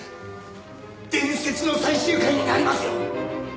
伝説の最終回になりますよ！